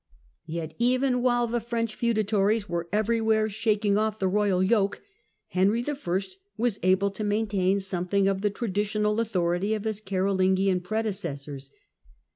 Yet even while the French feudatories were everywhere shaking off" the royal yoke, Henry I. was able to maintain something of the traditional authority of his Carolingian predecessors.